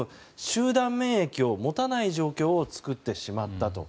集団免疫を持たない状況を作ってしまったと。